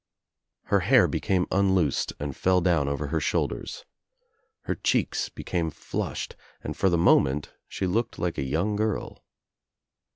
Her hair became unloosed and fell down over her shoulders. Her cheeks became flushed and for the moment she looked like a young girl.